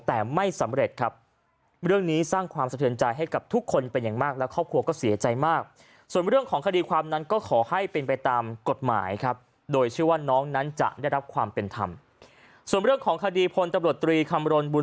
แต่ไม่สำเร็จครับ